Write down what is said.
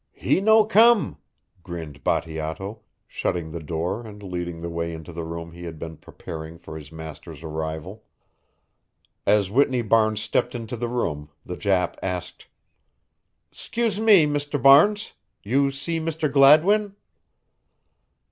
"He no come," grinned Bateato, shutting the door and leading the way into the room he had been preparing for his master's arrival. As Whitney Barnes stepped into the room the Jap asked: "'Scuse me, Mr. Barnes you see Mr. Gladwin?"